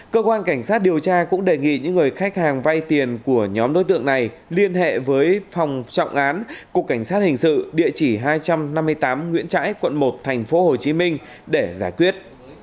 cơ quan cảnh sát điều tra cũng đề nghị những người khách hàng vay tiền của nhóm đối tượng này liên hệ với phòng trọng án cục cảnh sát hình sự địa chỉ hai trăm năm mươi tám nguyễn trãi quận một tp hcm để giải quyết